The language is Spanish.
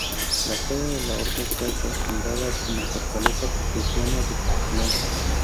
La sede de la Orden fue refundada como Fortaleza Prusiana de Coblenza.